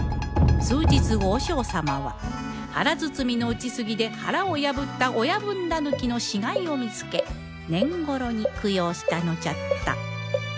数日後和尚様は腹鼓の打ちすぎで腹を破った親分狸の死骸を見つけ懇ろに供養したのじゃった